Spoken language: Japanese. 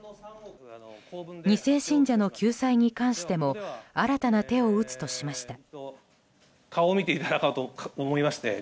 ２世信者の救済に関しても新たな手を打つとしました。